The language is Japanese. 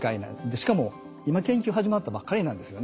しかも今研究始まったばっかりなんですよね。